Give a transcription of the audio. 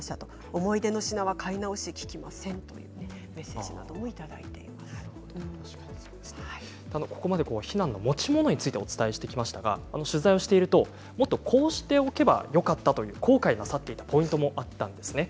思い出のものは買い直しが利きませんとメッセージをここまで避難のときの持ち物についてお伝えしてきましたが取材をしているともっとこうしておけばよかったと後悔なさっていたポイントもあったんです。